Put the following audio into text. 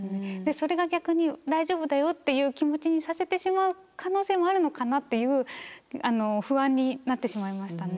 それが逆に大丈夫だよっていう気持ちにさせてしまう可能性もあるのかなっていう不安になってしまいましたね。